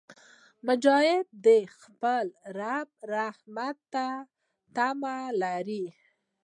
مجاهد د خپل رب رحمت ته تمه لري.